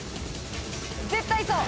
絶対そう！